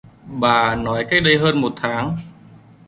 Bà nói cách đây hơn một tháng